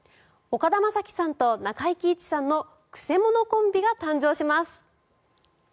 岡田将生さんと中井貴一さんの曲者コンビが誕生します。